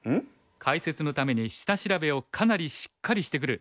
解説のために下調べをかなりしっかりしてくる。